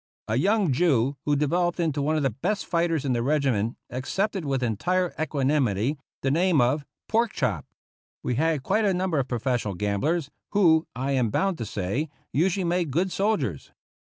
A young Jew who developed into one of the best fighters in the regiment accepted, with entire equanimity, the name of " Pork chop." We had quite a number of professional gamblers, who, I am bound to say, usually made good soldiers.